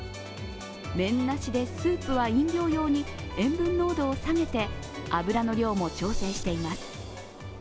麺なしでスープは飲料用に塩分濃度を下げて油の量も調整しています。